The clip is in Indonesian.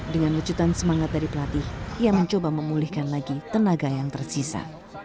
dengan lucutan semangat dari pelatih ia mencoba memulihkan lagi tenaga yang tersisa